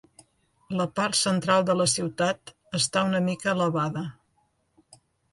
La part central de la ciutat està una mica elevada.